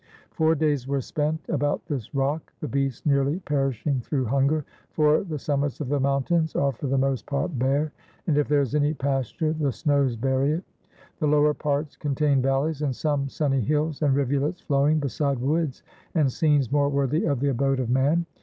Four days were spent about this rock, the beasts nearly perishing through hunger: for the sum mits of the mountains are for the most part bare, and if there is any pasture the snows bury it. The lower parts contain valleys, and some sunny hills, and rivulets flow ing beside woods, and scenes more worthy of the abode of man.